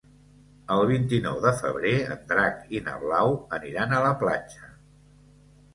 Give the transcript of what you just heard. El vint-i-nou de febrer en Drac i na Blau aniran a la platja.